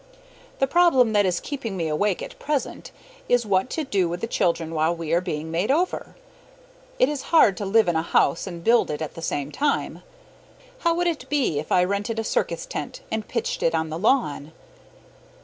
The problem that is keeping me awake at present is, What to do with the children while we are being made over? It is hard to live in a house and build it at the same time. How would it be if I rented a circus tent and pitched it on the lawn?